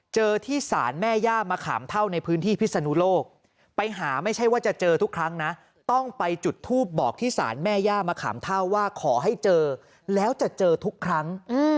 เจอที่ศาลแม่ย่ามะขามเท่าในพื้นที่พิศนุโลกไปหาไม่ใช่ว่าจะเจอทุกครั้งนะต้องไปจุดทูบบอกที่ศาลแม่ย่ามะขามเท่าว่าขอให้เจอแล้วจะเจอทุกครั้ง